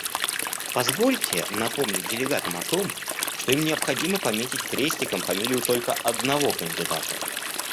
Позвольте напомнить делегатам о том, что им необходимо пометить крестиком фамилию только одного кандидата.